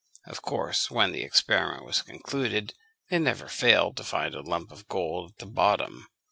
Of course, when the experiment was concluded, they never failed to find a lump of gold at the bottom.